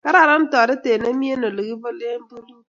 kararan torete nemi ole kibolen bolutik